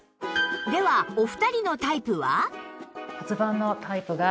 ではお二人のタイプは？